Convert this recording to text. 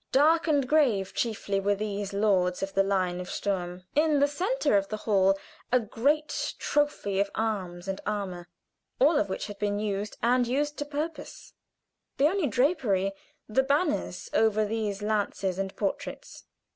dark and grave chiefly were these lords of the line of Sturm. In the center of the hall a great trophy of arms and armor, all of which had been used, and used to purpose; the only drapery, the banners over these lances and portraits.